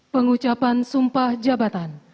pengucapan sumpah jabatan